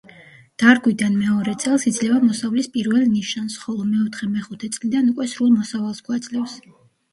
დარგვიდან მეორე წელს იძლევა მოსავლის პირველ ნიშანს, ხოლო მეოთხე-მეხუთე წლიდან უკვე სრულ მოსავალს გვაძლევს.